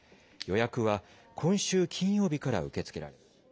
予約は今週金曜日から受け付けられます。